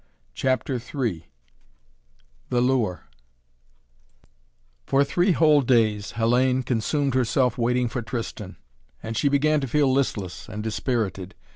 CHAPTER III THE LURE For three whole days Hellayne consumed herself waiting for Tristan, and she began to feel listless and dispirited.